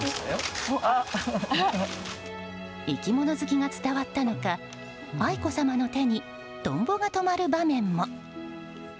生き物好きが伝わったのか愛子さまの手にトンボがとまる場面も。